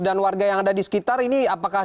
warga yang ada di sekitar ini apakah